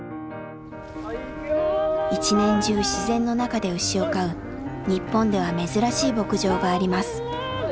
一年中自然の中で牛を飼う日本では珍しい牧場があります。